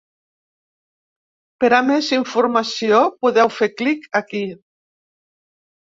Per a més informació, podeu fer clic aquí.